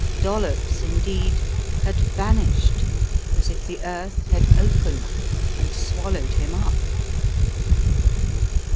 Dol lops indeed had vanished as if the earth had opened and swallowed him up.